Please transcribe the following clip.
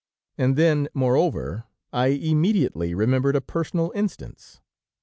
And then, moreover, I immediately remembered a personal instance.